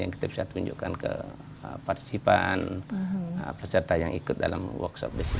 yang kita bisa tunjukkan ke partisipan peserta yang ikut dalam workshop di sini